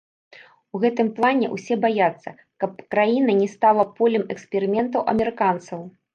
У гэтым плане ўсе баяцца, каб краіна не стала полем эксперыментаў амерыканцаў.